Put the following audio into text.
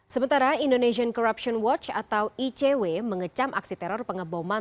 sementara indonesian corruption watch atau icw mengecam aksi teror pengeboman